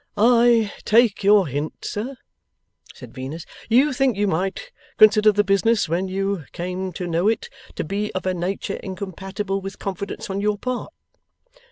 'I take your hint, sir,' said Venus; 'you think you might consider the business, when you came to know it, to be of a nature incompatible with confidence on your part?